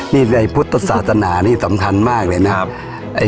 ในพุทธสานานี้สำคัญมากเลยนะ